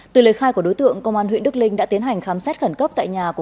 từ lời khai của đối tượng công an huyện đức linh đã tiến hành khám xét khẩn cấp tại nhà của